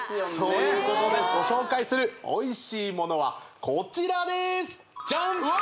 そういうことですご紹介するおいしいものはこちらでーすジャンうわ！